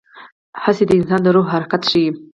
هڅې د انسان د روح حرکت ښيي.